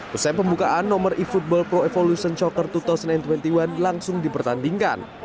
pusat pembukaan nomor e football pro evolution soccer dua ribu dua puluh satu langsung dipertandingkan